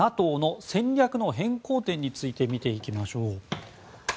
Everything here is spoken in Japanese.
ＮＡＴＯの戦略の変更点について見ていきましょう。